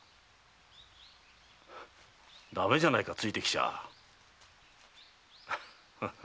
だめじゃないかついてきちゃ。